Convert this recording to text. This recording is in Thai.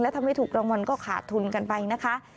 ถ้าไม่ถูกรางวัลก็ขาดทุนกันไปนะคะ